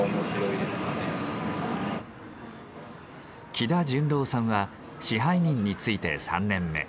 喜田惇郎さんは支配人に就いて３年目。